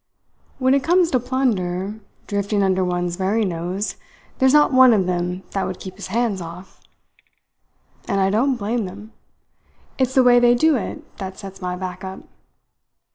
When it comes to plunder drifting under one's very nose, there's not one of them that would keep his hands off. And I don't blame them. It's the way they do it that sets my back up.